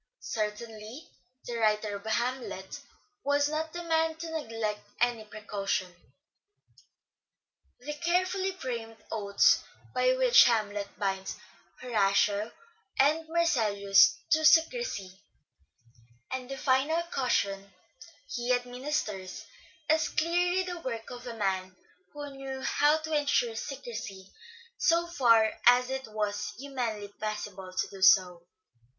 Certainly the writer of " Hamlet " was not the man to neglect any precaution. The carefully framed oaths by which Hamlet binds Horatio and Marcellus to secrecy, and the final caution he administers, is clearly the work of a man who knew how to ensure secrecy so far as it was humanly possible to do so.